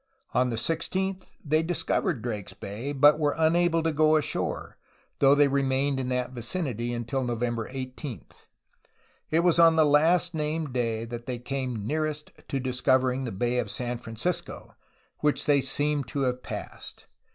On the 16th, they discovered Drake's Bay, but were unable to go ashore, though they remained in that vicinity until November 18. It was on the last named day that they came nearest to discovering the Bay of San Francisco, which they seem to have passed.